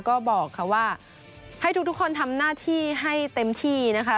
ก็บอกค่ะว่าให้ทุกคนทำหน้าที่ให้เต็มที่นะคะ